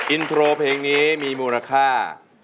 อินโทรเพลงนี้มีมูลค่า